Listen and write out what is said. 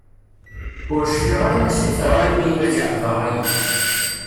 Ur cfiɣ ara ma ssutreɣ-ak-d ad iyi-d-tefkeḍ rray-ik.